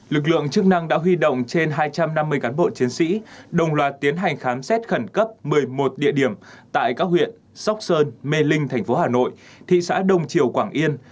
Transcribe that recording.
lực lượng chức năng đã huy động trên hai trăm năm mươi cán bộ chiến sĩ đồng loạt tiến hành khám xét khẩn cấp một mươi một địa điểm tại các huyện sóc sơn mê linh thành phố hà nội thị xã đông triều quảng yên